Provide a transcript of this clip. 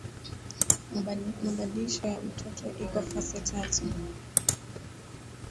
Maadibisho ya mtoto iko fasi tatu